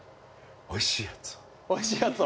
おいしいやつを。